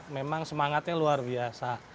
memang semangatnya luar biasa